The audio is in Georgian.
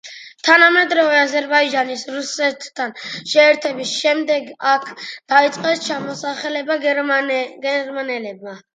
თანამედროვე აზერბაიჯანის რუსეთთან შეერთების შემდეგ, აქ დაიწყეს ჩამოსახლება გერმანელებმა.